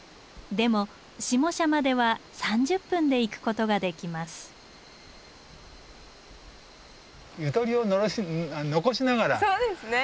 でも下社までは３０分で行くことができます。